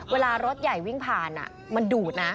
เวลารถใหญ่วิ่งผ่านมันดูดนะ